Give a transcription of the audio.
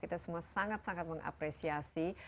kita semua sangat sangat mengapresiasi